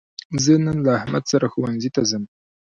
زه نن له احمد سره ښوونځي ته ځم.